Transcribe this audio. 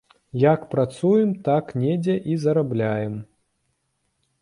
Як працуем, так недзе і зарабляем.